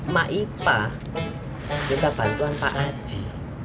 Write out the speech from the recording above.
mak ipa juga bantuan pak haji